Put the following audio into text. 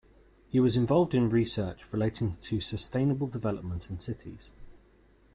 He was involved in research relating to sustainable development and cities.